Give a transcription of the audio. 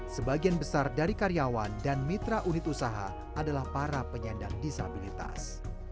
sebagian besar dari karyawan dan mitra unit usaha adalah para penyandang disabilitas